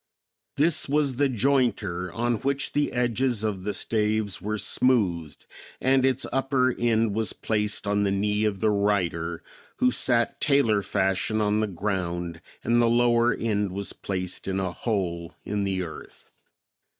This was the jointer on which the edges of the staves were smoothed and its upper end was placed on the knee of the writer, who sat tailor fashion on the ground, and the lower end was placed in a hole in the earth.